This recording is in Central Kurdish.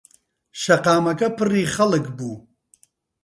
شەقاکەمە پڕی خەڵک بوو.